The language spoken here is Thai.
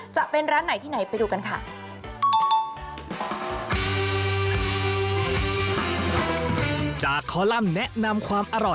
จะเป็นร้านไหนที่ไหนไปดูกันค่ะ